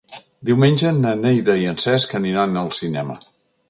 Diumenge na Neida i en Cesc aniran al cinema.